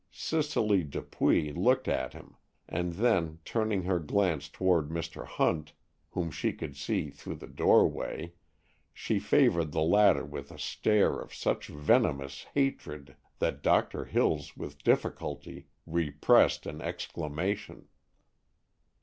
Cicely Dupuy looked at him, and then turning her glance toward Mr. Hunt, whom she could see through the doorway, she favored the latter with a stare of such venomous hatred that Doctor Hills with difficulty repressed an exclamation.